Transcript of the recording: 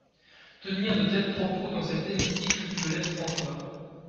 Tenir de tels propos dans cet hémicycle me laisse pantois.